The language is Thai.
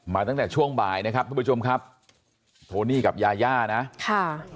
ตั้งแต่ช่วงบ่ายนะครับทุกผู้ชมครับโทนี่กับยาย่านะค่ะ